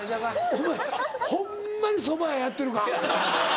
お前ホンマにそば屋やってるか？